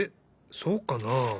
そうかな？